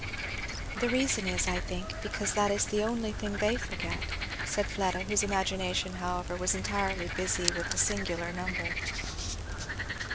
"The reason is, I think, because that is the only thing they forget," said Fleda, whose imagination however was entirely busy with the singular number.